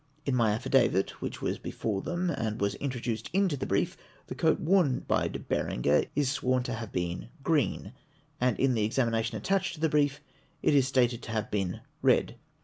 In my affidavit, which was before them, and was introduced into the brief, the coat worn by De Berenger is sworn to have been green ; and in the examinations attached to the brief it is stated to have been red.